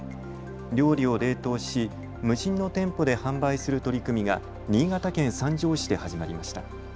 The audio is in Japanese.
料理を冷凍し、無人の店舗で販売する取り組みが新潟県三条市で始まりました。